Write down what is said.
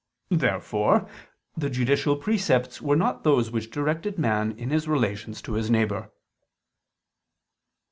Therefore the judicial precepts were not those which directed man in his relations to his neighbor.